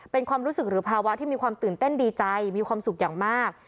เป็นความรู้สึกหรือภาวะที่มีความตื่นเต้นดีใจมีความสุขอย่างมาก